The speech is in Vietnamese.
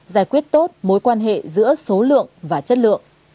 giải quyết tốt mối quan hệ giữa số lượng và chất lượng